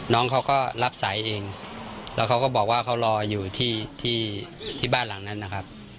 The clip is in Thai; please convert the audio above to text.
น้องเขาก็รับสายเองแล้วเขาก็บอกว่าเขารออยู่ที่ที่บ้านหลังนั้นนะครับ